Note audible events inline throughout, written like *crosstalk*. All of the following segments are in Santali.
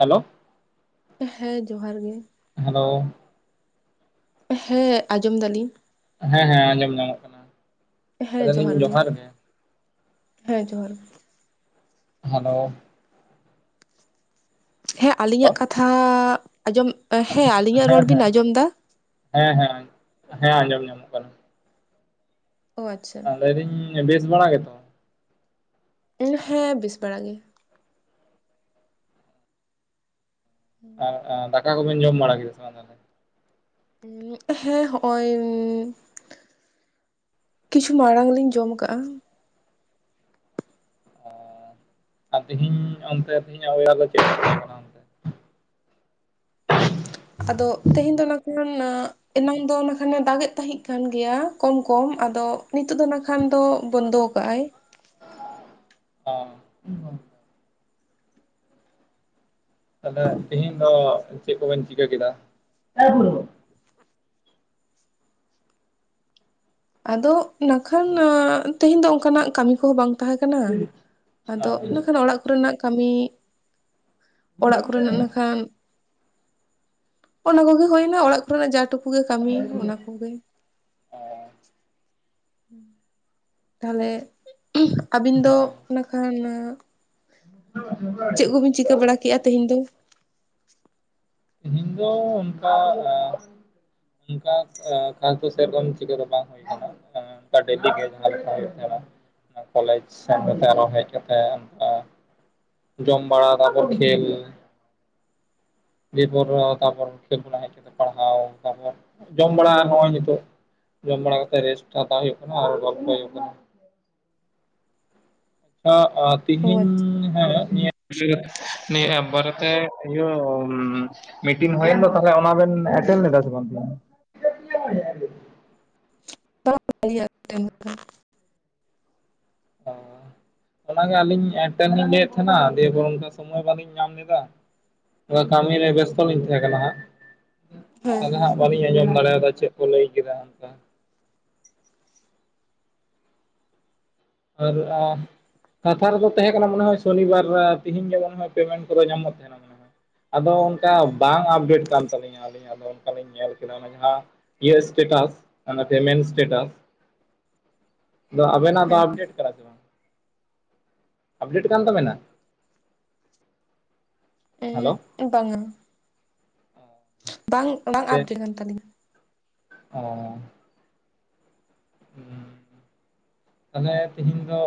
ᱦᱮᱞᱳ᱾ ᱦᱮᱸ ᱡᱚᱦᱟᱨ ᱜᱮ᱾ ᱦᱮᱞᱳ᱾ ᱦᱮᱸ ᱟᱸᱡᱚᱢ ᱫᱟᱞᱤᱧ᱾ ᱦᱮᱸ ᱦᱮᱸ ᱟᱸᱡᱚᱢ ᱧᱟᱢᱚᱜ ᱠᱟᱱᱟ᱾ ᱦᱮᱸ ᱡᱚᱦᱟᱨ ᱜᱮ ᱦᱮᱸ ᱡᱚᱦᱟᱨ ᱜᱮ᱾ ᱦᱮᱞᱳ᱾ ᱦᱮᱸ ᱦᱮᱞᱳ ᱟᱞᱤᱧᱟᱜ ᱠᱟᱛᱷᱟ ᱟᱸᱡᱚᱢ ᱦᱮᱸ ᱟᱞᱤᱧᱟᱜ ᱦᱮᱸ ᱨᱚᱲ ᱵᱤᱱ ᱟᱸᱡᱚᱢ ᱫᱟ? ᱦᱮᱸ ᱦᱮᱸ ᱦᱮᱸ ᱟᱸᱡᱚᱢ ᱧᱟᱢᱚᱜ ᱠᱟᱱᱟ᱾ ᱚ ᱟᱪᱪᱷᱟ ᱦᱮᱸ ᱞᱟᱹᱭᱫᱟᱹᱧ ᱵᱮᱥ ᱵᱟᱲᱟ ᱜᱮᱛᱚ? ᱦᱮᱸ ᱵᱤᱥ ᱵᱟᱲᱟ ᱜᱮ᱾ ᱫᱟᱠᱟ ᱠᱚᱵᱮᱱ ᱡᱚᱢ ᱵᱟᱲᱟ ᱠᱮᱫᱟ ᱥᱮ ᱵᱟᱝ ᱛᱟᱦᱚᱞᱮ? ᱦᱮᱸ ᱦᱚᱜᱼᱚᱭ ᱠᱤᱪᱷᱩ ᱢᱟᱲᱟᱝ ᱞᱤᱧ ᱡᱚᱢ ᱠᱟᱜᱼᱟ ᱾ ᱟᱨ ᱛᱮᱦᱤᱧ ᱚᱱᱛᱮ ᱛᱮᱦᱤᱧ *inaudible* ᱫᱚ ᱪᱮᱫ ᱛᱟᱦᱮᱸ ᱠᱟᱱᱟ? ᱟᱫᱚ ᱛᱮᱦᱮᱧ ᱫᱚ ᱱᱚᱝ ᱠᱷᱟᱱ ᱮᱱᱟᱝ ᱫᱚ ᱠᱷᱟᱱᱮ ᱫᱟᱜ ᱮᱫ ᱛᱟᱦᱮᱸᱜ ᱠᱟᱱ ᱜᱮᱭᱟ ᱠᱚᱢ ᱠᱚᱢ ᱟᱫᱚ ᱱᱤᱛᱚᱜ ᱫᱚ ᱚᱱᱟ ᱠᱷᱟᱱ ᱠᱷᱟᱱ ᱫᱚ ᱵᱚᱱᱫᱚ ᱠᱟᱜ ᱟᱭ ᱾ *inaudible* ᱛᱟᱦᱚᱞᱮ ᱛᱮᱦᱮᱧ ᱫᱚ ᱪᱮᱫ ᱠᱚᱵᱮᱱ ᱪᱤᱠᱟᱹ ᱠᱮᱫᱟ? ᱟᱫᱚ ᱱᱟᱠᱷᱟᱱ ᱛᱮᱦᱮᱧ ᱫᱚ ᱚᱱᱠᱟᱱᱟᱜ ᱠᱟᱹᱢᱤ ᱠᱚᱦᱚᱸ ᱵᱟᱝ ᱛᱟᱦᱮᱸ ᱠᱟᱱᱟ᱾ ᱟᱫᱚ ᱠᱷᱟᱱ ᱚᱲᱟᱜ ᱠᱚᱨᱮᱱᱟᱜ ᱠᱟᱹᱢᱤ ᱚᱲᱟᱜ ᱠᱚᱨᱮ ᱱᱟᱜᱠᱷᱟᱱ, ᱚᱱᱟ ᱠᱚᱜᱮ ᱦᱩᱭᱱᱟ ᱚᱲᱟᱜ ᱠᱚᱨᱮᱱᱟᱜ ᱡᱟ ᱴᱩ ᱴᱩ ᱜᱮ ᱠᱟᱹᱢᱤ ᱚᱱᱟ ᱠᱚᱜᱮ ᱾ *inaudible* ᱛᱟᱦᱚᱞᱮ ᱟᱹᱵᱤᱱ ᱫᱚ ᱦᱮᱸ ᱱᱟᱠᱷᱟᱱ *inaudible* ᱪᱮᱫ ᱠᱚᱵᱤᱱ ᱪᱤᱠᱟᱹ ᱵᱟᱲᱟ ᱠᱮᱜᱼᱟ ᱛᱮᱦᱮᱧ ᱫᱚ? ᱛᱮᱦᱤᱧ ᱫᱚ ᱚᱱᱠᱟ ᱚᱱᱠᱟ ᱠᱷᱟᱥ ᱫᱚ ᱥᱮᱨᱚᱠᱚᱢ ᱪᱤᱠᱟᱹ ᱫᱚ ᱵᱟᱝ ᱦᱩᱭ ᱟᱠᱟᱱᱟ ᱾ ᱚᱱᱠᱟ ᱰᱮᱞᱤ ᱜᱮ ᱡᱟᱦᱟ ᱞᱮᱠᱟ ᱦᱩᱭᱩᱜ ᱛᱟᱦᱮᱱᱟ ᱾ ᱚᱱᱟ ᱠᱚᱞᱮᱡᱽ ᱥᱮᱱ ᱠᱟᱛᱮᱜ ᱟᱨᱚ ᱦᱮᱡ ᱠᱟᱛᱮᱜ ᱚᱱᱠᱟ ᱡᱚᱢ ᱵᱟᱲᱟ ᱛᱟᱨᱯᱚᱨ ᱠᱷᱮᱞ ᱾ ᱫᱤᱭᱮᱯᱚᱨ ᱛᱟᱨᱯᱚᱨ ᱠᱷᱮᱞ ᱠᱷᱚᱱᱟᱜ ᱦᱮᱡ ᱠᱟᱛᱮ ᱯᱟᱲᱦᱟᱣ ᱛᱟᱨᱯᱚᱨ ᱡᱚᱢ ᱵᱟᱲᱟ ᱱᱚᱜᱼᱚᱭ ᱱᱤᱛᱚᱜ ᱡᱚᱢ ᱵᱟᱲᱟ ᱠᱟᱛᱮ ᱨᱮᱥᱴ ᱦᱟᱛᱟᱣ ᱦᱩᱭᱩᱜ ᱠᱟᱱᱟ ᱟᱨ ᱜᱚᱞᱯᱷᱚ ᱦᱩᱭᱩᱜ ᱠᱟᱱᱟ ᱾ ᱟᱪᱪᱷᱟ ᱚ ᱛᱤᱦᱤᱧ ᱟᱪᱪᱷᱟ ᱦᱮᱸ ᱱᱤᱭᱟᱹ *inaudible* ᱱᱤᱭᱟᱹ ᱵᱟᱨᱮ ᱛᱮ ᱤᱭᱟᱹ ᱢᱤᱴᱤᱝ ᱦᱩᱭᱮᱱ ᱫᱚ ᱛᱟᱦᱚᱞᱮ ᱚᱱᱟ ᱵᱮᱱ ᱮᱴᱮᱱ ᱞᱮᱫᱟ ᱥᱮ ᱵᱟᱝ ᱛᱤᱦᱤᱧ ᱫᱚ? *inaudible* *inaudible* ᱚᱱᱟ ᱜᱮ ᱟᱹᱞᱤᱧ ᱮᱴᱮᱱᱞᱤᱧ ᱞᱟᱹᱭᱮᱫ ᱛᱟᱦᱮᱸᱱᱟ, ᱫᱤᱭᱮᱯᱚᱨ ᱚᱱᱠᱟ ᱥᱚᱢᱚᱭ ᱵᱟᱹᱞᱤᱧ ᱧᱟᱢ ᱞᱮᱫᱟ᱾ ᱛᱷᱚᱲᱟ ᱠᱟᱹᱢᱤ ᱨᱮ ᱵᱮᱥᱛᱚ ᱞᱤᱧ ᱛᱟᱦᱮ ᱠᱟᱱᱟ ᱦᱟᱸᱜ ᱾ ᱟᱫᱚ ᱦᱟᱸᱜ ᱵᱟᱹᱞᱤᱧ ᱟᱸᱡᱚᱢ ᱫᱟᱲᱮᱭ ᱟᱫᱟ ᱪᱮᱫ ᱠᱚ ᱞᱟᱹᱭ ᱠᱮᱫᱟ ᱚᱱᱠᱟ *unintelligible* ᱠᱟᱛᱷᱟ ᱨᱮᱫᱚ ᱛᱟᱦᱮᱸ ᱠᱟᱱᱟ, ᱢᱟᱱᱮ ᱦᱚᱭ ᱥᱚᱱᱤ ᱵᱟᱨ ᱛᱮᱦᱤᱧ ᱡᱮᱢᱚᱱ ᱯᱮᱢᱮᱱᱴ ᱠᱚᱫᱚ ᱧᱟᱢᱚᱜ ᱛᱟᱦᱮᱱᱟ ᱢᱟᱱᱮ᱾ ᱟᱫᱚ ᱚᱱᱠᱟ ᱵᱟᱝ ᱟᱯᱰᱮᱴ ᱠᱟᱱ ᱛᱟᱹᱞᱤᱧᱟ ᱟᱹᱞᱤᱧ ᱫᱚ, ᱚᱱᱠᱟ ᱞᱤᱧ ᱧᱮᱞ ᱠᱮᱫᱟ ᱚᱱᱟ ᱡᱟᱦᱟᱸ ᱤᱭᱟᱹ ᱥᱴᱮᱴᱟᱥ ᱯᱮᱢᱮᱱᱴ ᱮᱴᱮᱴᱟᱥ ᱟᱫᱚ ᱟᱵᱮᱱᱟᱜ ᱫᱚ ᱦᱮᱸ ᱦᱮᱸ ᱟᱯᱰᱮᱴ ᱠᱟᱱᱟ ᱥᱮ ᱵᱟᱝ, ᱟᱯᱰᱮᱴ ᱠᱟᱱ ᱛᱟᱵᱮᱱᱟ? ᱦᱮᱞᱳ ᱮᱜ ᱵᱟᱝᱼᱟ ᱾ ᱵᱟᱝ, ᱵᱟᱝ ᱥᱮ ᱟᱯᱰᱮᱴ ᱟᱠᱟᱱ ᱛᱟᱹᱞᱤᱧᱟ ᱾ ᱚ ᱛᱟᱦᱚᱞᱮ ᱛᱮᱦᱤᱧ ᱫᱚ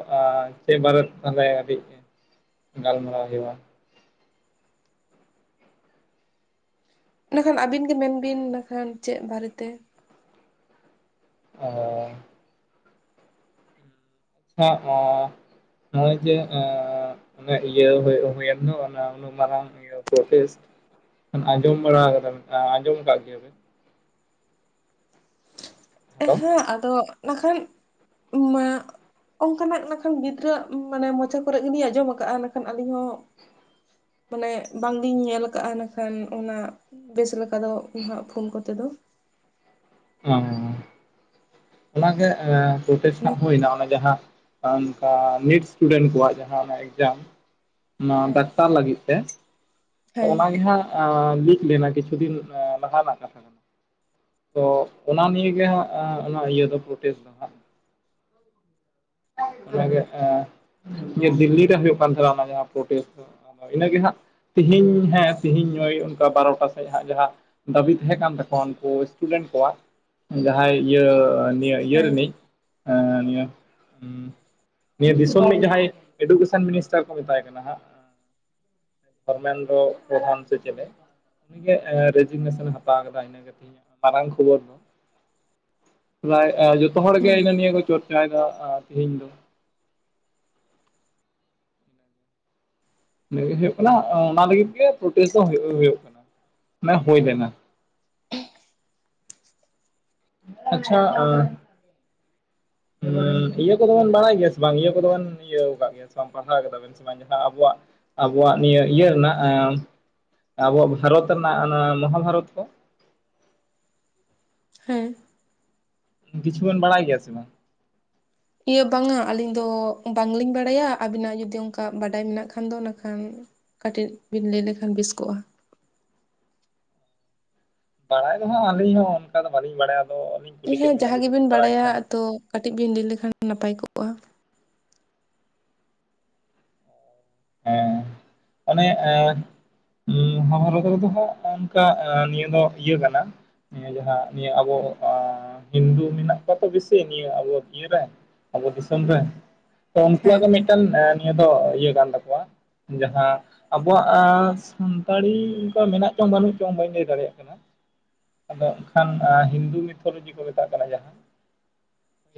ᱪᱮᱫ ᱵᱟᱨᱮ ᱛᱟᱦᱚᱞᱮ ᱜᱟᱞᱢᱟᱨᱟᱣ ᱦᱩᱭᱩᱜ-ᱟ ᱤᱱᱟᱹ ᱠᱷᱟᱱ ᱟᱹᱵᱤᱱ ᱜᱮ ᱢᱮᱱ ᱵᱤᱱ ᱤᱱᱟᱹᱠᱷᱟᱱ ᱪᱮᱫ ᱵᱟᱨᱮ ᱛᱮ? ᱚ *inaudible* ᱱᱚᱜᱼᱚᱭ ᱡᱮ ᱤᱭᱟᱹ ᱦᱩᱭᱮᱱ ᱫᱚ ᱚᱱᱟ ᱩᱱᱟᱹᱜ ᱢᱟᱨᱟᱝ *unintelligible* ᱟᱸᱡᱚᱢ ᱵᱟᱲᱟᱫᱟ ᱟᱸᱡᱚᱢ ᱟᱠᱟᱫ ᱜᱮᱭᱟ ᱵᱤᱱ ᱦᱮᱞᱳ ᱦᱮᱸ ᱟᱫᱚ ᱱᱟᱠᱷᱟᱱ ᱢᱟ ᱚᱱᱠᱟᱱᱟᱜ ᱱᱟᱠᱷᱟᱱ ᱜᱤᱫᱽᱨᱟᱹᱣᱟᱜ ᱢᱟᱱᱮ ᱢᱚᱪᱟ ᱠᱚᱨᱮ ᱜᱮᱞᱤᱧ ᱟᱸᱡᱚᱢ ᱟᱠᱟᱜᱼᱟ, ᱢᱮᱱᱠᱷᱟᱱ ᱟᱹᱞᱤᱧ ᱦᱚᱸ ᱢᱟᱱᱮ ᱵᱟᱝ ᱞᱤᱧ ᱧᱮᱞ ᱠᱟᱜᱼᱟ ᱱᱟᱜ ᱠᱷᱟᱱ ᱚᱱᱟ ᱵᱮᱥ ᱞᱮᱠᱟ ᱫᱚ ᱱᱟᱦᱟᱜ ᱯᱷᱳᱱ ᱠᱚᱛᱮ ᱫᱚ᱾ ᱦᱮᱸ ᱾ ᱚᱱᱟ ᱜᱮ ᱯᱨᱴᱮᱥᱴ ᱦᱮᱸ ᱦᱟᱸᱜ ᱦᱩᱭᱱᱟ, ᱚᱱᱟ ᱜᱮ ᱡᱟᱦᱟᱸ ᱟᱨ ᱚᱱᱠᱟ ᱱᱤᱴ ᱥᱴᱩᱰᱮᱱᱴ ᱠᱚᱣᱟᱜ ᱡᱟᱦᱟᱸ ᱮᱠᱡᱟᱢ ᱱᱚᱣᱟ ᱰᱟᱠᱛᱟᱨ ᱞᱟᱹᱜᱤᱫ ᱛᱮ ᱦᱮᱸ ᱚᱱᱟ ᱜᱮ ᱦᱟᱸᱜ ᱞᱤᱠ ᱞᱮᱱᱟ ᱠᱤᱪᱷᱩ ᱫᱤᱱ ᱞᱟᱦᱟ ᱨᱮᱱᱟᱜ ᱠᱟᱛᱷᱟ ᱠᱟᱱᱟ ᱾ ᱛᱚ ᱚᱱᱟ ᱱᱤᱭᱮ ᱦᱟᱸᱜ, ᱚᱱᱟ ᱤᱭᱟᱹ ᱫᱚ ᱯᱨᱴᱮᱥᱴ ᱫᱚ ᱦᱟᱸᱜ᱾ ᱚᱱᱟᱜᱮ ᱤᱭᱟᱹ ᱫᱤᱞᱞᱤ ᱨᱮ ᱦᱩᱭᱩᱜ ᱠᱟᱱ ᱛᱟᱦᱮᱸᱱᱟ ᱚᱱᱟ ᱯᱨᱴᱮᱥᱴ ᱫᱚ ᱤᱱᱟᱹᱜᱮ ᱦᱟᱸᱜ ᱾ ᱛᱤᱦᱤᱧ ᱦᱮᱸ, ᱛᱮᱦᱤᱧ ᱳᱭ ᱚᱱᱠᱟ ᱵᱟᱨᱚᱴᱟ ᱥᱮᱫ ᱦᱟᱸᱜ ᱡᱟᱦᱟᱸ ᱫᱟᱹᱵᱤ ᱛᱟᱦᱮᱸ ᱠᱟᱱ ᱛᱟᱠᱚᱣᱟ ᱩᱱᱠᱩ ᱥᱴᱩᱰᱮᱱᱴ ᱠᱚᱣᱟᱜ, ᱡᱟᱦᱟᱸᱭ ᱤᱭᱟᱹ ᱱᱤᱭᱟᱹ ᱤᱭᱟᱹ ᱦᱮᱸ ᱨᱮᱱᱤᱡ ᱱᱤᱭᱟᱹ ᱫᱤᱥᱚᱢ ᱨᱤᱱ ᱡᱟᱦᱟᱸᱭ ᱮᱰᱩᱠᱮᱥᱚᱱ ᱢᱤᱱᱤᱥᱴᱟᱨ ᱠᱚ ᱢᱮᱛᱟᱭ ᱠᱟᱱᱟ ᱦᱟᱸᱜ ᱫᱷᱚᱨᱢᱮᱱᱫᱚ ᱯᱨᱚᱫᱟᱱ ᱥᱮ ᱪᱮᱞᱮ? ᱩᱱᱤᱜᱮ ᱨᱮᱡᱤᱱᱮᱥᱚᱱᱮ ᱦᱟᱛᱟᱣ ᱟᱠᱟᱫᱟ, ᱤᱱᱟᱹ ᱜᱮ ᱛᱮᱦᱤᱧᱟᱜ ᱢᱟᱨᱟᱝ ᱠᱷᱚᱵᱚᱨ ᱫᱚ ᱾ ᱯᱨᱟᱭ ᱡᱚᱛᱚ ᱦᱚᱲ ᱜᱮ ᱦᱩᱸ ᱤᱱᱟ ᱱᱤᱭᱟᱹ ᱠᱚ ᱪᱚᱨᱪᱟᱭᱮᱫᱟ ᱛᱮᱦᱤᱧ ᱫᱚ ᱾ ᱤᱱᱟᱹ ᱜᱮ ᱦᱩᱭᱩᱜ ᱠᱟᱱᱟ, ᱚᱱᱟ ᱞᱟᱹᱜᱤᱫ ᱜᱮ ᱯᱨᱪᱮᱥᱴ ᱫᱚ ᱦᱩᱭᱩᱜ ᱦᱩᱭᱩᱜ ᱠᱟᱱᱟ, ᱢᱟᱱᱮ ᱦᱩᱭ ᱞᱮᱱᱟ᱾ ᱟᱪᱪᱷᱟ, ᱟ ᱦᱚᱸ ᱤᱭᱟᱹ ᱠᱚᱫᱚᱵᱚᱱ ᱵᱟᱲᱟᱭ ᱜᱮᱭᱟ ᱥᱮ ᱵᱟᱝ ᱤᱭᱟᱹ ᱠᱚᱫᱚᱵᱚᱱ ᱤᱭᱟᱹ ᱟᱠᱟᱫ ᱜᱮᱭᱟ ᱥᱮ ᱵᱟᱝ ᱯᱟᱲᱦᱟᱣ ᱠᱮᱫᱟᱵᱮᱱ ᱟᱵᱚᱣᱟᱜ, ᱟᱵᱚᱣᱟᱜ ᱱᱤᱭᱟᱹ ᱤᱭᱟᱹ ᱨᱮᱱᱟᱜ ᱟᱵᱚᱣᱟᱜ ᱵᱷᱟᱨᱚᱛ ᱨᱮᱱᱟᱜ ᱚᱱᱟ ᱢᱟᱦᱟᱵᱷᱟᱨᱚᱛ ᱠᱟ ᱦᱮᱸ ᱾ ᱠᱤᱪᱷᱩ ᱵᱤᱱ ᱵᱟᱲᱟᱭ ᱜᱮᱭᱟ ᱥᱮ ᱵᱟᱝ? ᱤᱭᱟᱹ ᱵᱟᱝᱼᱟ ᱟᱹᱞᱤᱧ ᱫᱚ ᱵᱟᱝ ᱞᱤᱧ ᱵᱟᱲᱟᱭᱟ, ᱟᱹᱵᱤᱱᱟᱜ ᱡᱩᱫᱤ ᱚᱱᱠᱟ ᱵᱟᱰᱟᱭ ᱢᱮᱱᱟᱜ ᱠᱷᱟᱱ ᱫᱚ ᱱᱟᱠᱷᱟᱱ ᱠᱟᱹᱴᱤᱡ ᱵᱤᱱ ᱞᱟᱹᱭ ᱞᱮᱠᱷᱟᱱ ᱵᱮᱥ ᱠᱚᱜᱼᱟ ᱾ ᱵᱟᱲᱟᱭ ᱫᱚ ᱦᱟᱸᱜ ᱟᱹᱞᱤᱧ ᱦᱚᱸ ᱚᱱᱠᱟ ᱫᱚ ᱵᱟᱹᱞᱤᱧ ᱵᱟᱲᱟᱭᱟ ᱟᱫᱚᱧ ᱦᱮᱸ ᱡᱟᱦᱟᱸ ᱜᱮᱵᱤᱱ ᱵᱟᱲᱟᱭᱟ ᱛᱚ, ᱠᱟᱹᱴᱤᱡ ᱵᱤᱱ ᱞᱟᱹᱭ ᱞᱮᱠᱷᱟᱱ ᱱᱟᱯᱟᱭ ᱠᱚᱜᱼᱟ ᱾ ᱦᱮᱸ ᱾ ᱚᱱᱮ ᱵᱷᱟᱨᱚᱛ ᱨᱮᱫᱚ ᱦᱟᱸᱜ ᱚᱱᱠᱟ ᱱᱤᱭᱟᱹ ᱫᱚ ᱤᱭᱟᱹ ᱠᱟᱱᱟ ᱾ ᱱᱤᱭᱟᱹ ᱡᱟᱦᱟᱸ ᱱᱤᱭᱟᱹ ᱟᱵᱚ ᱦᱤᱱᱫᱩ ᱢᱮᱱᱟᱜ ᱠᱚᱣᱟ ᱛᱚ ᱵᱮᱥᱤ ᱱᱤᱭᱟᱹ ᱟᱵᱚ ᱤᱭᱮ ᱨᱮ ᱾ ᱟᱵᱚ ᱫᱤᱥᱚᱢ ᱨᱮ ᱛᱚ ᱩᱱᱠᱩᱣᱟᱜ ᱦᱮᱸ ᱜᱮ ᱢᱤᱫᱴᱟᱝ ᱱᱤᱭᱟᱹ ᱫᱚ ᱤᱭᱟᱹ ᱠᱟᱱ ᱛᱟᱠᱚᱣᱟ ᱡᱟᱦᱟᱸ ᱟᱵᱚᱣᱟᱜ ᱥᱟᱱᱛᱟᱲᱤ ᱚᱱᱠᱟ ᱢᱮᱱᱟᱜ ᱪᱚᱝ ᱵᱟᱹᱱᱩᱜ ᱪᱚᱝ ᱵᱟᱹᱧ ᱞᱟᱹᱭ ᱫᱟᱲᱮᱭᱟᱜ ᱠᱟᱱᱟ ᱾ ᱟᱫᱚ ᱮᱱᱠᱷᱟᱱ ᱦᱤᱱᱫᱩ ᱢᱤᱛᱷᱳᱞᱚᱡᱤ ᱠᱚ ᱢᱮᱛᱟᱜ ᱠᱟᱱᱟ, ᱡᱟᱦᱟᱸ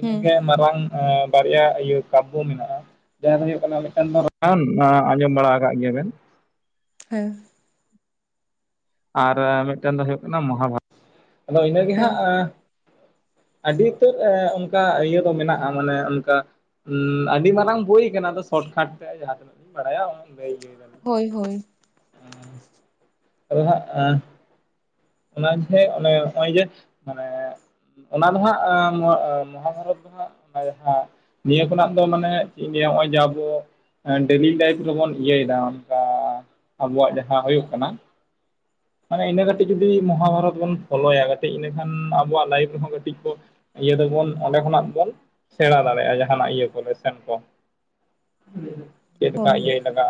ᱦᱩᱸ ᱢᱟᱨᱟᱝ ᱵᱟᱨᱭᱟ ᱤᱭᱟᱹ ᱠᱟᱵᱟᱵ ᱢᱮᱱᱟᱜᱼᱟ, ᱡᱟᱦᱟᱸ ᱫᱚ ᱦᱩᱭᱩᱜ ᱠᱟᱱᱟ ᱢᱤᱫᱴᱟᱝ ᱫᱚ ᱨᱟᱢᱟᱭᱚᱱ ᱟᱸᱡᱚᱢ ᱵᱟᱲᱟ ᱠᱟᱜ ᱜᱮᱭᱟ ᱵᱮᱱ ᱾ ᱦᱮᱸ ᱾ ᱟᱨ ᱢᱤᱫᱴᱮᱱ ᱫᱚ ᱦᱩᱭᱩᱜ ᱠᱟᱱᱟ ᱢᱚᱦᱟᱵᱟᱨᱚᱛ ᱟᱫᱚ ᱤᱱᱟ ᱜᱮ ᱦᱮᱸ ᱦᱟᱸᱜ ᱾ ᱟᱹᱰᱤ ᱩᱛᱟᱹᱨ ᱚᱱᱠᱟ ᱤᱭᱟᱹ ᱫᱚ ᱢᱮᱱᱟᱜᱼᱟ, ᱢᱟᱱᱮ ᱚᱱᱠᱟ ᱟᱹᱰᱤ ᱢᱟᱨᱟᱝ ᱵᱳᱭ ᱠᱟᱱᱟ, ᱟᱫᱚ ᱥᱚᱴᱠᱟᱴ ᱛᱮ ᱡᱟᱦᱟᱸ ᱛᱤᱱᱟᱹᱜ ᱞᱤᱧ ᱵᱟᱲᱟᱭᱟ ᱩᱱ ᱞᱟᱹᱭ ᱦᱩᱭᱮᱱᱟ ᱾ ᱦᱳᱭ, ᱦᱳᱭ ᱾ ᱟᱫᱚ ᱦᱟᱸᱜ ᱚᱱᱟ ᱡᱮ ᱚᱱᱮ ᱱᱚᱜᱼᱚᱭ ᱡᱮ ᱢᱟᱱᱮ ᱚᱱᱟ ᱫᱚ ᱦᱟᱸᱜ ᱟᱸ ᱢᱟᱦᱟᱵᱟᱨᱚᱛ ᱫᱚ ᱦᱟᱸᱜ ᱚᱱᱟᱜᱮ ᱦᱮᱸ ᱾ ᱱᱤᱭᱟᱹ ᱠᱷᱚᱱᱟᱜ ᱫᱚ ᱢᱟᱱᱮ ᱪᱮᱜ ᱤᱧ ᱞᱮᱭᱟ ᱚᱭ ᱡᱮ ᱟᱵᱚ ᱾ ᱰᱮᱞᱤ ᱞᱟᱭᱤᱯᱷ ᱨᱮᱵᱚᱱ ᱤᱭᱟᱹᱭ ᱫᱟ ᱚᱱᱠᱟ ᱟᱵᱚᱣᱟᱜ ᱡᱟᱦᱟᱸ ᱦᱳᱭᱳᱜ ᱠᱟᱱᱟ ᱾ ᱢᱟᱱᱮ ᱤᱱᱟᱹ ᱠᱟᱹᱴᱤᱡ ᱾ ᱡᱩᱫᱤ ᱢᱟᱦᱟᱵᱟᱨᱚᱛ ᱵᱚᱱ ᱯᱷᱳᱞᱳᱭᱟ ᱠᱟᱹᱴᱤᱡ ᱤᱱᱟᱹᱠᱷᱟᱱ ᱟᱵᱚᱣᱟᱜ ᱞᱟᱤᱯᱷ ᱨᱮᱦᱚᱸ ᱠᱟᱹᱴᱤᱡ ᱠᱚ ᱾ ᱤᱭᱟᱹ ᱫᱚᱵᱚᱱ ᱚᱸᱰᱮ ᱠᱷᱚᱱᱟᱜ ᱵᱚᱱ ᱥᱮᱬᱟ ᱫᱟᱲᱮᱭᱟᱜᱼᱟ ᱡᱟᱦᱟᱱᱟᱜ ᱤᱭᱟᱹ ᱠᱚᱞᱮ ᱥᱮᱱ ᱵᱚᱱ ᱾ *inaudible* ᱪᱮᱫ ᱞᱮᱠᱟ ᱦᱳᱭ ᱤᱭᱟᱹ ᱞᱟᱜᱟᱜᱼᱟ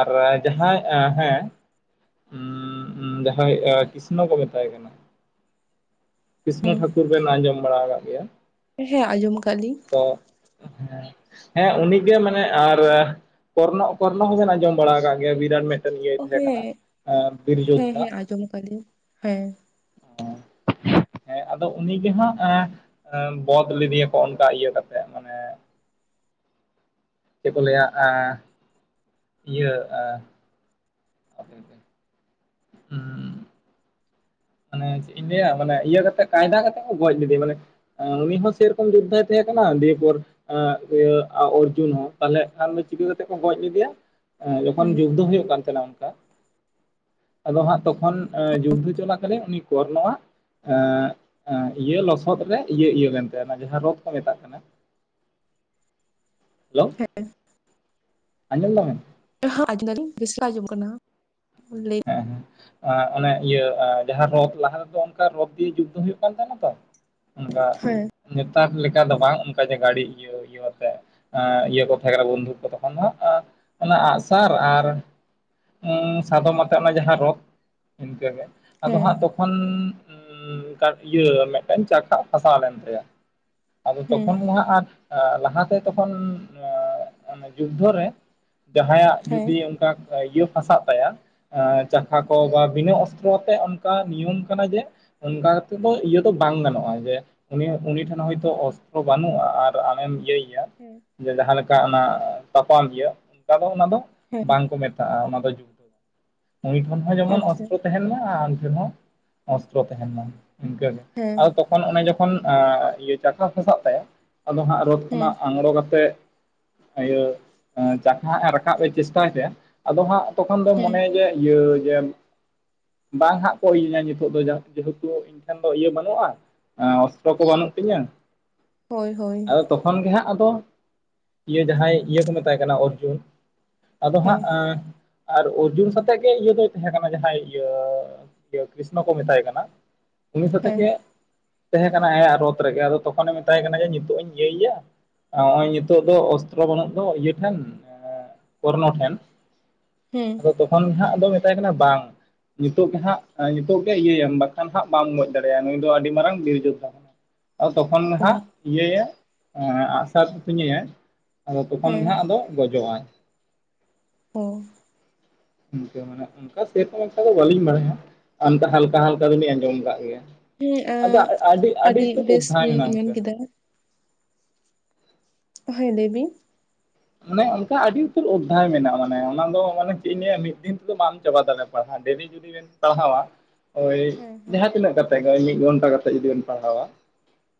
ᱟᱨ ᱡᱟᱦᱟᱸᱭ ᱮᱸ ᱦᱮᱸ ᱼᱼ ᱩᱢ ᱡᱟᱦᱟᱸᱭ ᱮᱸ ᱠᱨᱤᱥᱱᱚ ᱠᱚ ᱢᱮᱛᱟᱭ ᱠᱟᱱᱟ ᱾ ᱠᱨᱤᱥᱱᱚ ᱴᱷᱟᱠᱩᱨ ᱵᱮᱱ ᱟᱸᱡᱚᱢ ᱵᱟᱲᱟ ᱟᱠᱟᱜ ᱜᱮᱭᱟ ᱾ ᱦᱮᱸ ᱟᱸᱡᱚᱢ ᱠᱟᱞᱤᱧ ᱾ ᱛᱚ ᱦᱮᱸ ᱦᱮᱸ ᱩᱱᱤᱜᱮ ᱢᱟᱱᱮ ᱟᱨ ᱠᱚᱨᱱᱚ ᱠᱚᱨᱱᱚ ᱦᱚᱸᱵᱮᱱ ᱟᱸᱡᱚᱢ ᱵᱟᱲᱟ ᱠᱟᱜ ᱜᱮᱭᱟ ᱵᱤᱨᱟᱴ ᱢᱮᱜ ᱴᱮᱱ ᱤᱭᱟᱹ ᱛᱟᱦᱮᱸ ᱠᱟᱱᱟ ᱦᱮᱸ ᱵᱤᱨᱡᱳᱛ ᱦᱮᱸ ᱾ ᱦᱮᱸ ᱟᱸᱡᱚᱢ ᱠᱟᱞᱤᱧ ᱦᱮᱸ ᱾ *inaudible* ᱦᱮᱸ ᱟᱫᱚ ᱩᱱᱤᱜᱮ ᱦᱟᱸᱜ ᱟᱸ ᱵᱚᱫ ᱞᱮᱫᱮᱭᱟᱠᱚ ᱚᱱᱠᱟ ᱤᱭᱟᱹ ᱠᱟᱛᱮᱜ ᱢᱟᱱᱮ ᱪᱮᱜ ᱠᱚ ᱞᱟᱹᱭᱟ ᱮᱸ ᱤᱭᱟᱹ ᱟ ᱾ *inaudible* *inaudible* ᱢᱟᱱᱮ ᱪᱮᱜ ᱤᱧ ᱞᱟᱹᱭᱟ ᱢᱟᱱᱮ ᱤᱭᱟᱹ ᱠᱟᱛᱮ ᱠᱟᱭᱫᱟ ᱠᱟᱛᱮ ᱠᱚ ᱜᱚᱡ ᱞᱮᱫᱮ ᱢᱟᱱᱮ ᱾ ᱩᱱᱤ ᱦᱚᱸ ᱥᱮᱨᱚᱠᱚᱢ ᱡᱳᱫᱽᱫᱷᱟᱭ ᱛᱟᱦᱮᱸ ᱠᱟᱱᱟ ᱫᱤᱭᱮᱯᱚᱨ ᱾ ᱟᱨ ᱤᱭᱟᱹ ᱚᱨᱡᱩᱱ ᱦᱚᱸ ᱛᱟᱞᱦᱮ ᱟᱞ ᱫᱚ ᱪᱤᱠᱟᱹ ᱠᱟᱛᱮᱜ ᱠᱚ ᱜᱚᱡ ᱤᱫᱤᱭᱟ? ᱮᱸᱡᱚᱠᱷᱚᱱ ᱦᱮᱸ ᱡᱩᱫᱽᱫᱷᱚ ᱦᱩᱭᱩᱜ ᱠᱟᱱ ᱛᱷᱮᱱᱟ ᱚᱱᱠᱟ ᱟᱫᱚ ᱦᱟᱸᱜ ᱛᱚᱠᱷᱚᱱ ᱟᱸ ᱡᱩᱫᱽᱫᱷᱚ ᱦᱚᱪᱚᱞᱟ ᱠᱟᱞᱮ ᱩᱱᱤ ᱠᱚᱨᱱᱚᱣᱟᱜ ᱮᱸ ᱮᱸ ᱤᱭᱟᱹ ᱞᱚᱥᱚᱫ ᱨᱮ ᱤᱭᱟᱹ ᱤᱭᱟᱹ ᱞᱮᱱ ᱛᱟᱭᱟ ᱚᱱᱟ ᱡᱟᱦᱟᱸ ᱨᱳᱫ ᱠᱚ ᱢᱮᱛᱟᱜ ᱠᱟᱱᱟ ᱾ *inaudible* ᱟᱸᱡᱚᱢᱫᱟᱢ? ᱦᱟ ᱟᱸᱡᱚᱢ ᱫᱟᱞᱤᱧ ᱥᱤᱥᱨᱟ ᱟᱸᱡᱚᱢ ᱠᱟᱱᱟ ᱞᱟᱹᱭ ᱮ ᱦᱮᱸ ᱾ ᱟᱸ ᱚᱱᱮ ᱤᱭᱟᱹ ᱟᱸ ᱡᱟᱦᱟᱸ ᱨᱚᱫ ᱞᱟᱦᱟ ᱫᱚ ᱚᱱᱠᱟ ᱨᱚᱫ ᱫᱤᱭᱮ ᱡᱩᱫᱽᱫᱚ ᱦᱩᱭᱩᱜ ᱠᱟᱱ ᱛᱟᱦᱮᱸᱱᱟ ᱛᱚ ᱾ ᱚᱱᱠᱟ ᱦᱮᱸ ᱱᱮᱛᱟᱨ ᱞᱮᱠᱟ ᱫᱚ ᱵᱟᱝ ᱚᱱᱠᱟ ᱡᱮ ᱜᱟᱹᱲᱤ ᱤᱭᱟᱹ ᱤᱭᱟᱹᱛᱮ ᱾ ᱮᱸ ᱤᱭᱟᱹ ᱠᱚ ᱛᱟᱦᱮᱸ ᱠᱟᱱᱟ ᱵᱚᱱᱫᱷᱩᱠ ᱠᱚ ᱛᱚᱠᱷᱚᱱ ᱦᱚᱸ ᱾ ᱚᱱᱟ ᱟᱸᱜᱼᱥᱟᱨ ᱟᱨ *inaudible* ᱥᱟᱫᱚᱢ ᱟᱛ ᱛᱟᱜ ᱱᱟ ᱡᱟᱦᱟᱸ ᱨᱚᱫ ᱤᱱᱠᱟᱹᱜᱮ ᱟᱫᱚ ᱦᱮᱸ ᱦᱟᱸᱜ ᱛᱚᱠᱷᱚᱱ *inaudible* ᱠᱟᱱ ᱤᱭᱟᱹ ᱢᱤᱫᱴᱮᱱ ᱪᱟᱠᱷᱟ ᱯᱷᱟᱥᱟ ᱞᱮᱱ ᱛᱟᱭᱟ ᱾ ᱟᱫᱚ ᱦᱮᱸ ᱛᱚᱠᱷᱚᱱ ᱜᱮ ᱦᱟᱸᱜ ᱟᱨ ᱟ ᱞᱟᱦᱟᱛᱮ ᱛᱚᱠᱷᱚᱱ *inaudible* ᱡᱩᱫᱽᱫᱷᱚ ᱨᱮ ᱡᱟᱦᱟᱸᱭᱟᱜ ᱡᱩᱫᱤ ᱦᱮᱸ ᱚᱱᱠᱟ, ᱤᱭᱟᱹ ᱯᱷᱟᱥᱟᱜ ᱛᱟᱭᱟ ᱡᱟᱦᱟ ᱠᱚ ᱵᱟ ᱵᱤᱱᱟᱹ ᱚᱥᱛᱨᱚ ᱟᱛᱮᱜ ᱚᱱᱠᱟ ᱱᱤᱭᱚᱢ ᱠᱟᱱᱟ ᱡᱮ ᱾ ᱚᱱᱠᱟ ᱠᱟᱛᱮᱜ ᱫᱚ ᱤᱭᱟᱹ ᱫᱚ ᱵᱟᱝ ᱜᱟᱱᱚᱜᱼᱟ ᱡᱮ, ᱩᱱᱤᱭᱟᱜ ᱩᱱᱤ ᱴᱷᱮᱱ ᱦᱚᱭᱛᱚ ᱚᱥᱛᱨᱚ ᱵᱟᱹᱱᱩᱜᱼᱟ ᱟᱨ ᱟᱢᱮᱢ ᱤᱭᱟᱹᱭᱮᱭᱟ ᱾ ᱦᱮᱸ ᱡᱮ ᱡᱟᱦᱟᱸ ᱞᱮᱠᱟ ᱚᱱᱟ ᱛᱟᱯᱟᱢ ᱤᱭᱟᱹ ᱚᱱᱠᱟ ᱫᱚ ᱚᱱᱟ ᱫᱚ ᱦᱮᱸ ᱵᱟᱝ ᱠᱚ ᱢᱮᱛᱟᱜᱼᱟ ᱚᱱᱟ ᱫᱚ ᱡᱩᱫ ᱩᱱᱤ ᱴᱷᱮᱱ ᱦᱚᱸ ᱡᱮᱢᱚᱱ ᱟᱪᱪᱷᱟ ᱚᱥᱛᱨᱚ ᱛᱟᱦᱮᱱ ᱢᱟ ᱟᱨ ᱟᱢ ᱴᱷᱮᱱ ᱦᱚᱸ ᱚᱥᱛᱨᱚ ᱛᱟᱦᱮᱱ ᱢᱟ ᱤᱱᱠᱟᱹᱜ ᱜᱮ ᱾ ᱦᱮᱸ᱾ ᱟᱫᱚ ᱛᱚᱠᱷᱚᱱ ᱚᱱᱮ ᱡᱚᱠᱷᱚᱱ ᱟᱸ ᱤᱭᱟᱹ ᱪᱟᱠᱟ ᱯᱷᱟᱥᱟᱜ ᱛᱟᱭᱟ, ᱟᱫᱚ ᱦᱟᱸᱜ ᱨᱳ ᱦᱮᱸ ᱠᱷᱚᱱᱟᱜ ᱟᱝᱨᱚ ᱠᱟᱛᱮᱜ, ᱟᱭᱟᱹ ᱟᱸ ᱪᱟᱠᱷᱟ ᱦᱟᱸᱜ ᱮ ᱨᱟᱠᱟᱵ ᱮ ᱪᱮᱥᱴᱟᱭ ᱛᱟᱭᱟ, ᱟᱫᱚ ᱦᱟᱸᱜ ᱛᱚᱠᱷᱚᱱ ᱫᱚ ᱚᱱᱮ ᱦᱮᱸ ᱡᱮ, ᱤᱭᱟᱹ ᱡᱮ, ᱵᱟᱝ ᱦᱟᱸᱜ ᱠᱚ ᱤᱭᱟᱹᱧᱟ ᱧᱤᱛᱚᱜ ᱫᱚ ᱡᱟ ᱡᱮᱦᱮᱛᱩ ᱤᱧ ᱴᱷᱮᱱ ᱫᱚ ᱤᱭᱟᱹ ᱵᱟᱱᱩᱜᱼᱟᱸ᱾ ᱟᱸ ᱚᱠᱛᱚ ᱠᱚ ᱵᱟᱱᱩᱜ ᱛᱤᱧᱟᱹ᱾ ᱦᱳᱭ-ᱦᱳᱭ᱾ ᱟᱫᱚ ᱛᱚᱠᱷᱚᱱ ᱜᱮ ᱦᱟᱸᱜ ᱟᱫᱚ ᱤᱭᱟᱹ ᱡᱟᱦᱟᱸᱭ ᱤᱭᱟᱹ ᱠᱚ ᱢᱮᱛᱟᱭ ᱠᱟᱱᱟ ᱚᱨᱡᱩᱱ, ᱟᱫᱚ ᱦᱟᱸᱜ ᱦᱮᱸ ᱟᱸ ᱟᱨ ᱚᱨ- -ᱡᱩᱢ ᱥᱟᱛᱮᱜ ᱜᱮ ᱤᱭᱟᱹ ᱫᱚᱭ ᱛᱷᱮᱸ ᱠᱟᱱᱟ ᱡᱟᱦᱟᱸᱭ ᱤᱭᱟᱹ, ᱤᱭᱟᱹ ᱠᱤᱥᱱᱚ ᱠᱚ ᱢᱮᱛᱟᱭ ᱠᱟᱱᱟ᱾ ᱩᱱᱤ ᱥᱟᱛᱮᱜ ᱦᱮᱸ ᱜᱮ ᱛᱮᱦᱮᱸ ᱠᱟᱱᱟ ᱟᱭᱟᱜ ᱨᱚᱛ ᱨᱮᱜᱮ᱾ ᱟᱫᱚ ᱛᱚᱠᱷᱚᱱᱮ ᱢᱮᱛᱟᱭ ᱠᱟᱱᱟ ᱡᱮ ᱧᱤᱛᱚᱜ ᱤᱧ ᱤᱭᱟᱹᱭᱭᱟ? ᱟᱸ ᱚᱸᱭ ᱧᱤᱛᱚᱜ ᱫᱚ ᱚᱥᱛᱨᱚ ᱵᱚᱱᱩᱜ ᱫᱚ ᱤᱭᱟᱹ ᱴᱷᱮᱱ ᱮᱸ ᱠᱚᱨᱱᱚ ᱴᱷᱮᱱ᱾ ᱦᱩᱸ᱾ ᱟᱫᱚ ᱛᱚᱠᱷᱚᱱ ᱜᱮ ᱦᱟᱸᱜ ᱟᱫᱚ ᱢᱮᱛᱟᱭ ᱠᱟᱱᱟ ᱵᱟᱝ᱾ ᱧᱤᱛᱚᱜ ᱜᱮ ᱦᱟᱸᱜ ᱧᱤᱛᱚᱜ ᱜᱮ ᱤᱭᱟᱹᱭᱮᱢ ᱵᱟᱠᱷᱟᱱ ᱦᱟᱸᱜ ᱵᱟᱢ ᱜᱚᱡ ᱫᱟᱲᱮᱭᱟ ᱱᱩᱭ ᱫᱚ ᱟᱰᱤ ᱢᱟᱨᱟᱝ ᱵᱤᱨ ᱡᱳᱫᱽᱫᱷᱟ᱾ ᱟᱣᱚ ᱛᱚᱠᱷᱚᱱ ᱜᱮ ᱚ ᱦᱟᱸᱜ ᱤᱭᱟᱹᱭᱮ ᱟᱸ ᱟᱜᱼᱥᱟᱨ ᱛᱩᱧᱮᱭᱮ᱾ ᱟᱫᱚ ᱛᱚᱠᱷᱚᱱ ᱜᱮ ᱦᱮᱸ ᱦᱟᱸᱜ ᱟᱫᱚ ᱜᱚᱡᱚᱜ ᱟᱸᱭ᱾ ᱚ᱾ ᱤᱝᱠᱟᱹ ᱢᱟᱱᱮ ᱚᱝᱠᱟ ᱥᱮᱨᱠᱚᱢ ᱮᱠᱴᱟ ᱣᱚ ᱵᱟᱞᱤᱧ ᱵᱟᱲᱟᱭᱟ᱾ ᱟᱱᱫᱟ ᱦᱟᱞᱠᱟ-ᱦᱟᱞᱠᱟ ᱫᱚᱞᱤᱧ ᱟᱸᱡᱚᱢ ᱠᱟᱫ ᱜᱮᱭᱟ᱾ ᱦᱮᱸ ᱟᱸ ᱟᱫᱟ ᱟᱹᱰᱤ-ᱟᱹᱰᱤ ᱟᱹᱰᱤ ᱛᱟᱹᱨ ᱵᱮᱥ ᱚᱫᱽᱫᱷᱟᱭ ᱵᱤᱱ ᱢᱮᱱ ᱢᱮᱱᱟᱜᱼᱟᱥᱮ᱾ ᱠᱮᱫᱟ ᱦᱚᱸᱭ ᱞᱟᱹᱭ ᱵᱤᱸ᱾ ᱢᱟᱱᱮ ᱚᱝᱠᱟ ᱟᱹᱰᱤ ᱩᱛᱟᱹᱨ ᱚᱫᱽᱫᱷᱟᱭ ᱢᱮᱱᱟᱜᱼᱟ, ᱢᱟᱱᱮ ᱚᱱᱟ ᱫᱚ ᱢᱟᱱᱮ ᱪᱮᱜ ᱦᱮᱸ ᱤᱧ ᱞᱟᱹᱭᱟ ᱢᱤᱜ ᱫᱤᱱ ᱫᱚ ᱵᱟᱢ ᱪᱟᱵᱟ ᱫᱟᱲᱮᱜᱼᱟ ᱯᱟᱲᱦᱟ ᱛᱮ ᱰᱮᱞᱤ ᱡᱩᱫᱤ ᱵᱮᱱ ᱯᱟᱲᱦᱟᱣᱟ, ᱳᱭ ᱦᱮᱸ ᱦᱮᱸ ᱡᱟᱦᱟᱸ ᱛᱤᱱᱟᱹᱜ ᱠᱟᱛᱷᱟ ᱛᱮᱜᱚᱭ ᱢᱤᱜ ᱜᱷᱚᱱᱴᱟ ᱠᱟᱛᱮᱜ ᱡᱩᱫᱤ ᱵᱮᱱ ᱯᱟᱲᱦᱟᱣᱟ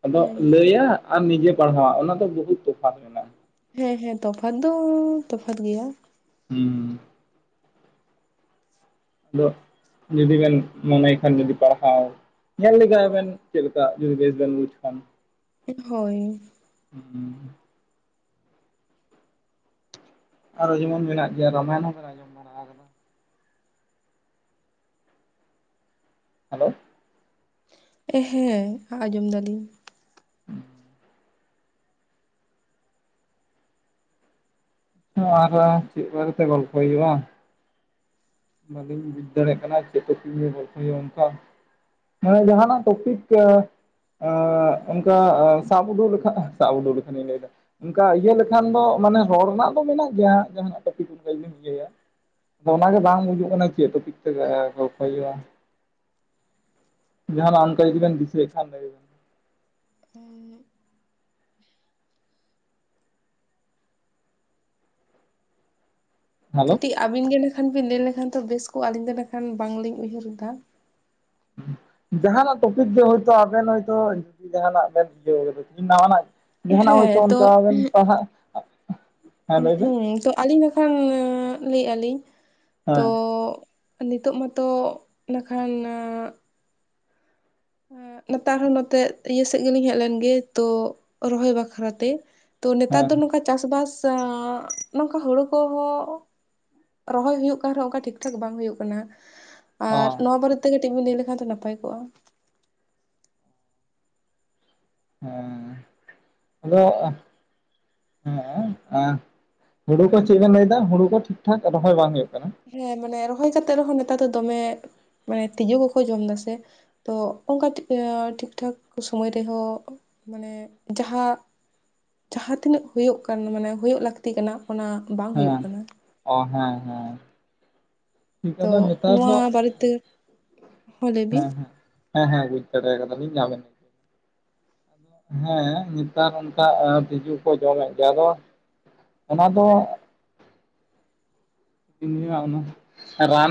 ᱟᱫᱚᱸᱜ ᱦᱮᱸ ᱞᱟᱹᱭᱟᱜ ᱟᱨ ᱱᱤᱡᱮ ᱯᱟᱲᱦᱟᱣᱟᱜ ᱚᱱᱟ ᱫᱚ ᱵᱩᱦᱩᱛ ᱛᱚᱯᱷᱟᱛ ᱢᱮᱱᱟᱜ ᱦᱮᱸ-ᱦᱮᱸ, ᱛᱚᱯᱷᱟᱛ ᱫᱚᱸ ᱛᱚᱯᱷᱟᱛ ᱜᱮᱭᱟᱸ᱾ ᱦᱩᱸ᱾ ᱫᱚᱜ ᱡᱩᱫᱤ ᱵᱮᱱ ᱢᱚᱱᱮᱭ ᱠᱷᱟᱱ ᱡᱩᱫᱤ ᱯᱟᱲᱦᱟᱣ ᱧᱮᱞ ᱞᱮᱜᱟᱭ ᱵᱮᱱ ᱪᱮᱜ ᱞᱮᱠᱟ ᱡᱩᱫᱤ ᱵᱮᱥ ᱵᱮᱱ ᱵᱩᱡᱽ ᱠᱷᱟᱱ᱾ ᱮᱠᱷᱳᱭ᱾ ᱩᱸ ᱦᱩᱸ᱾ ᱟᱨᱚ ᱡᱮᱢᱚᱱ ᱢᱮᱱᱟᱜ ᱜᱮᱭᱟ ᱨᱟᱢᱟᱭᱚᱱ ᱦᱚ ᱢᱮᱱᱟᱜ *inaudible* ᱦᱮᱞᱳᱦ᱾ ᱮ ᱦᱮᱸ, ᱟᱡᱚᱢ ᱫᱟᱞᱤᱧ᱾ ᱦᱩᱸ *unintelligible* ᱦᱚᱸ ᱟᱨᱟ ᱪᱮᱜ ᱵᱟᱨᱮ ᱛᱮ ᱜᱚᱞᱯᱚ ᱭᱩᱜᱼᱟ? ᱵᱟᱞᱤᱧ ᱵᱩᱡ ᱫᱟᱲᱮᱜ ᱠᱟᱱᱟ ᱪᱮᱜ *inaudible* ᱜᱚᱞᱯᱷᱚ ᱭᱩᱜᱼᱟ ᱚᱝᱠᱟ? ᱦᱮᱸ ᱡᱟᱦᱟᱸᱱᱟᱜ ᱴᱚᱯᱤᱠ ᱜᱮ ᱮᱸᱜ ᱚᱝᱠᱟ ᱮᱸ ᱥᱟᱵ ᱩᱫᱩᱜ ᱞᱮᱠᱷᱟᱜ ᱥᱟᱵ ᱩᱫᱩᱜ ᱞᱮᱠᱷᱟᱱᱤᱧ ᱞᱟᱹᱭ ᱫᱟ ᱚᱝᱠᱟ ᱤᱭᱟᱹ ᱞᱮᱠᱷᱟᱱ ᱫᱚ ᱢᱟᱱᱮ ᱦᱚᱲ ᱱᱟᱜ ᱫᱚ ᱢᱮᱱᱟᱜ ᱜᱮᱭᱟᱸ, ᱡᱟᱦᱟᱱᱟᱜ ᱴᱚᱯᱤᱠ *inaudible* ᱤᱭᱟᱹᱭᱟ᱾ ᱫᱚ ᱚᱱᱟᱜᱮ ᱵᱟᱝ ᱵᱩᱡᱩ ᱠᱟᱱᱟ ᱪᱮᱜ ᱴᱚᱯᱤᱠ ᱛᱮ ᱜᱮᱸ ᱜᱚᱞᱯᱷᱚ ᱭᱩᱜᱼᱟ? ᱡᱟᱦᱟᱱᱟᱜ ᱚᱝᱠᱟ ᱡᱩᱫᱤ ᱵᱮᱱ ᱫᱤᱥᱟᱹᱭᱮᱜ ᱠᱷᱟᱱ ᱞᱮᱭ ᱵᱮᱱ? ᱮᱸᱭᱤᱜ ᱦᱮᱞᱳ ᱠᱟᱹᱴᱤᱡ ᱟᱵᱤᱱ ᱜᱮ ᱮᱱᱟᱠᱷᱟᱱ ᱵᱤᱱ ᱞᱟᱹᱭ ᱞᱮᱠᱷᱟᱱ ᱛᱚ ᱵᱮᱥ ᱠᱚᱜ-ᱟ, ᱟᱹᱞᱤᱧ ᱫᱚ ᱱᱟᱠᱷᱟᱱ ᱵᱟᱝᱞᱤᱧ ᱩᱭᱦᱟᱹᱨ ᱫᱟ᱾ ᱡᱟᱦᱟᱸᱱᱟᱜ ᱴᱚᱯᱤᱠ ᱜᱮ ᱦᱳᱭᱛᱳ ᱟᱵᱮᱱ ᱦᱚᱭᱛᱳᱼᱼ ᱡᱟᱦᱟᱱᱟᱜ ᱵᱮᱱ ᱤᱭᱟᱹᱣ ᱠᱟᱫᱟ ᱛᱦᱤᱧ *unintelligible* ᱱᱟᱣᱟᱱᱟᱜ ᱡᱟᱦᱟᱸᱱᱟᱜ ᱦᱚᱭᱛᱳ ᱦᱮᱸ ᱛᱚ ᱚᱱᱠᱟ ᱵᱮᱱ ᱯᱟᱲᱦᱟᱜ ᱞᱟᱹᱭ ᱵᱮᱱ ᱦᱮᱸ ᱛᱚ ᱟᱹᱞᱤᱧ ᱱᱟᱠᱷᱟᱱ ᱞᱟᱹᱭᱮᱫ ᱟᱞᱤᱧᱼᱼ ᱦᱮᱸ ᱱᱤᱛᱳᱜ ᱢᱟᱛᱚ ᱱᱟᱠᱷᱟᱱᱼᱼ ᱮ ᱱᱮᱛᱟᱨ ᱦᱚᱸ ᱱᱚᱛᱮ ᱤᱭᱟᱹ ᱥᱮᱫ ᱜᱮᱞᱤᱧ ᱦᱮᱡ ᱞᱮᱱ ᱜᱮ ᱛᱚ ᱨᱚᱦᱚᱭ ᱵᱟᱠᱷᱨᱟᱛᱮ᱾ ᱛᱚ ᱱᱮᱛᱟᱨ ᱦᱮᱸ ᱫᱚ ᱱᱚᱝᱠᱟ ᱪᱟᱥ ᱵᱟᱥ ᱮ ᱱᱚᱝᱠᱟ ᱦᱩᱲᱩ ᱠᱚᱦᱚᱸᱼᱼ ᱨᱚᱦᱚᱭ ᱦᱩᱭᱩᱜ ᱠᱟᱱ ᱨᱮᱦᱚᱸ ᱚᱱᱠᱟ ᱴᱷᱤᱠ ᱴᱷᱟᱠ ᱵᱟᱝ ᱦᱩᱭᱩᱜ ᱠᱟᱱᱟ ᱚ ᱟᱨ ᱱᱚᱣᱟ ᱵᱟᱨᱮᱼᱼ ᱛᱮ ᱠᱟᱹᱴᱤᱡ ᱵᱤᱱ ᱞᱟᱹᱭ ᱞᱮᱠᱷᱟᱱ ᱫᱚ ᱱᱟᱯᱟᱭ ᱠᱚᱜᱼᱟ? ᱦᱮᱸ ᱟᱫᱚᱼᱼ *unintelligible* ᱦᱮᱸ ᱦᱩᱲᱩ ᱠᱚ ᱪᱮᱫ ᱵᱮᱱ ᱞᱟᱹᱭ ᱫᱟ ᱦᱩᱲᱩ ᱠᱚ ᱴᱷᱤᱠ ᱴᱷᱟᱠ ᱨᱚᱦᱚᱭ ᱵᱟᱝ ᱦᱩᱭᱩᱜ ᱠᱟᱱᱟ᱾ ᱦᱮᱸ ᱢᱟᱱᱮ ᱨᱚᱦᱚᱭ ᱠᱟᱛᱮᱜ ᱨᱮᱦᱚᱸ ᱱᱮᱛᱟᱨ ᱫᱚ ᱫᱚᱢᱮ ᱢᱟᱱᱮ ᱛᱤᱡᱩ ᱠᱚᱠᱚ ᱡᱚᱢ ᱫᱟᱥᱮᱼᱼ ᱛᱚ ᱚᱱᱠᱟ ᱤᱭᱟᱹ ᱴᱷᱤᱠ ᱴᱷᱟᱠ ᱥᱚᱢᱚᱭ ᱨᱮᱦᱚᱸᱼᱼ ᱢᱟᱱᱮ ᱡᱟᱦᱟᱸ ᱡᱟᱦᱟᱸ ᱛᱤᱱᱟᱹᱜ ᱦᱩᱭᱩᱜ ᱠᱟᱱ ᱢᱟᱱᱮ ᱦᱩᱭᱩᱜ ᱞᱟᱠᱛᱤ ᱠᱟᱱᱟᱼᱼ ᱚᱱᱟ ᱵᱟᱝ ᱦᱩᱭᱩᱜ ᱦᱮᱸ ᱠᱟᱱᱟ᱾ ᱚ ᱦᱮᱸ ᱦᱮᱸ ᱴᱷᱤᱠ ᱛᱚ ᱟᱫᱚ ᱱᱮᱛᱟᱨ ᱫᱚ ᱱᱚᱣᱟ ᱵᱟᱨᱮᱛᱮᱼᱼ ᱦᱮᱸ ᱦᱮᱸ ᱦᱮᱸ ᱦᱮᱸ ᱵᱩᱡᱽ ᱫᱟᱲᱮ ᱠᱟᱫᱟᱞᱤᱧ *unintelligible* ᱦᱮᱸ ᱱᱮᱛᱟᱨ ᱚᱱᱠᱟ ᱮ ᱛᱤᱡᱩ ᱠᱚ ᱡᱚᱢᱮᱫ ᱜᱮᱭᱟ ᱟᱫᱚᱼᱼ ᱚᱱᱟ ᱫᱚ *unintelligible* ᱨᱟᱱ